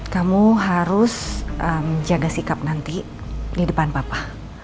kamu harus menjaga sikap nanti di depan papa